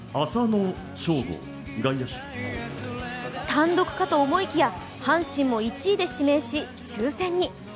単独かと思いきや阪神も１位で指名し抽選に。